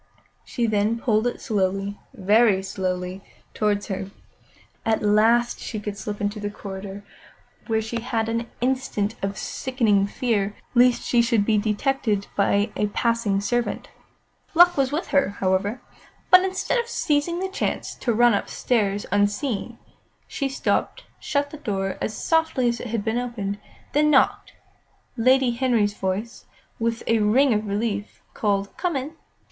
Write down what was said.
Then she pulled it slowly, very slowly, towards her. At last she could slip into the corridor, where she had an instant of sickening fear lest she should be detected by a passing servant. Luck was with her, however; but instead of seizing the chance to run upstairs unseen, she stopped, shut the door as softly as it had been opened, and then knocked. Lady Henry's voice, with a ring of relief, called "Come in!"